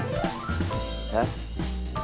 えっ？